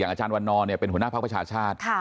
อย่างอาจารย์วันนอนเป็นหัวหน้าภักร์ประชาชาติ